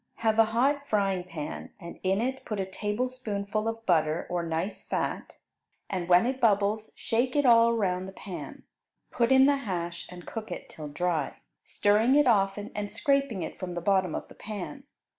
Have a hot frying pan, and in it put a tablespoonful of butter or nice fat, and when it bubbles shake it all around the pan. Put in the hash and cook it till dry, stirring it often and scraping it from the bottom of the pan.